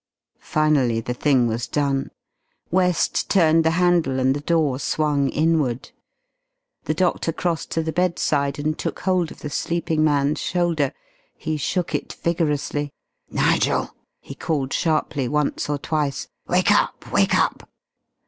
Finally the thing was done. West turned the handle and the door swung inward. The doctor crossed to the bedside and took hold of the sleeping man's shoulder. He shook it vigorously. "Nigel!" he called sharply once or twice. "Wake up! Wake up!"